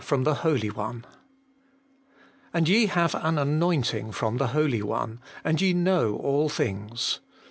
Ejje tection from tfje ' And ye have an anointing from the Holy One, and ye know all things.